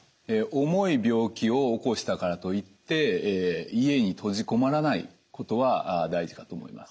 重い病気を起こしたからといって家に閉じ籠もらないことは大事かと思います。